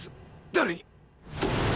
誰に！？